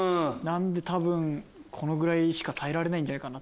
多分このぐらいしか耐えられないんじゃないかな。